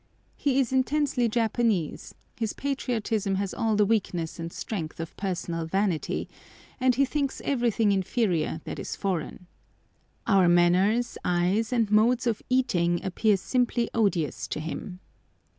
He is intensely Japanese, his patriotism has all the weakness and strength of personal vanity, and he thinks everything inferior that is foreign. Our manners, eyes, and modes of eating appear simply odious to him.